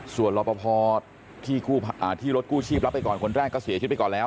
ส่วนรอปภที่รถกู้ชีพรับไปก่อนคนแรกก็เสียชีวิตไปก่อนแล้ว